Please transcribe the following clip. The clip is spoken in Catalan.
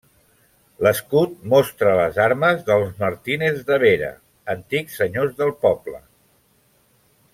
L'escut mostra les armes dels Martínez de Vera, antics senyors del poble.